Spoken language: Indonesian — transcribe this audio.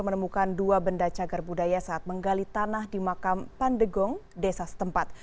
menemukan dua benda cagar budaya saat menggali tanah di makam pandegong desa setempat